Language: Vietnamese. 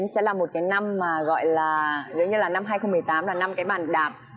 năm hai nghìn một mươi chín sẽ là một cái năm mà gọi là giống như là năm hai nghìn một mươi tám là năm cái bàn đạp